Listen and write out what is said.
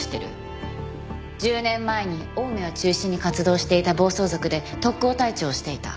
１０年前に青梅を中心に活動していた暴走族で特攻隊長をしていた。